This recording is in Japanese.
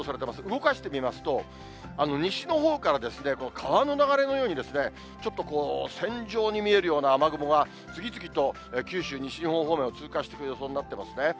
動かしてみますと、西のほうから川の流れのようにですね、ちょっとこう、線状に見えるような雨雲が次々と九州、西日本方面を通過していく予想になってますね。